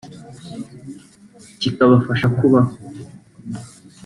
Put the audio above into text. kikabafasha kubaho